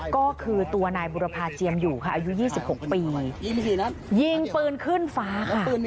ก็คือตัวนายบุรพาเจียมอยู่ค่ะอายุ๒๖ปียิงปืนขึ้นฟ้าค่ะ